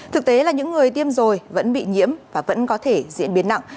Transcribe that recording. thực tế là những người tiêm rồi vẫn bị nhiễm và vẫn có thể diễn biến nặng